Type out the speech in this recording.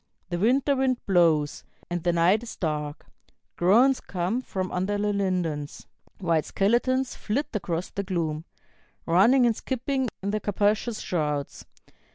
The winter wind blows, and the night is dark; Groans come from under the lindens; White skeletons flit across the gloom, Running and skipping in their capacious shrouds.